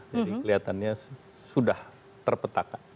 jadi kelihatannya sudah terpetakan